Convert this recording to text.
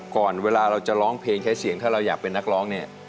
ก่อนเวลาเราจะร้องเพลงใช้เสียงถ้าเราอยากเป็นนักร้องเนี่ย